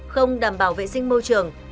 không đảm bảo vệ sinh môi trường